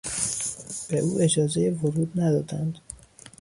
به او اجازهی ورود ندادند.